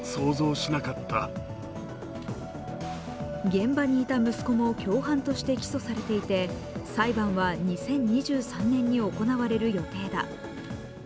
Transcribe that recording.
現場にいた息子も共犯として起訴されていて裁判は２０２３年に行われる予定だ。